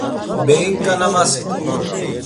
Beyin ǩanamasi diyu.